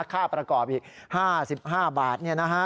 ค่าประกอบอีก๕๕บาท